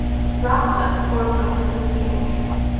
Rock was at the forefront of this change.